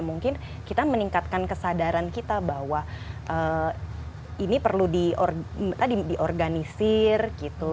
mungkin kita meningkatkan kesadaran kita bahwa ini perlu diorganisir gitu